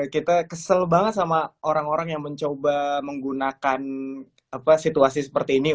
kita kesel banget sama orang orang yang mencoba menggunakan situasi seperti ini